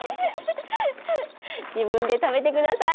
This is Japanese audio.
自分で食べてください。